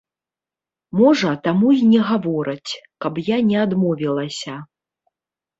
Можа, таму і не гавораць, каб я не адмовілася!